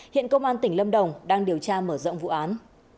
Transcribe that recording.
hiện công an tỉnh lâm đồng đang điều tra mở rộng vụ án